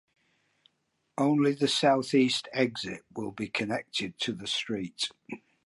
Only the southeast exit will be connected to the street.